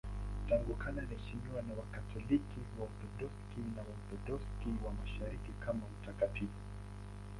Tangu kale anaheshimiwa na Wakatoliki, Waorthodoksi na Waorthodoksi wa Mashariki kama mtakatifu.